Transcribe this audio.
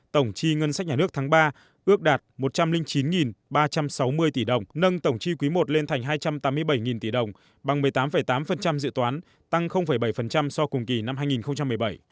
tổng chi ngân sách nhà nước tháng ba ước đạt một trăm linh chín ba trăm sáu mươi tỷ đồng nâng tổng chi quý i lên thành hai trăm tám mươi bảy tỷ đồng bằng một mươi tám tám dự toán tăng bảy so với cùng kỳ năm hai nghìn một mươi bảy